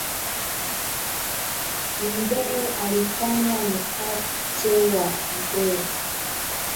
Ndhee alifanya nkache wa ntee.